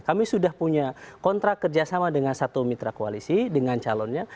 kami sudah punya kontrak kerjasama dengan satu mitra koalisi dengan calonnya